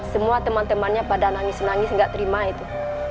semua teman temannya pada nangis nangis gak terima itu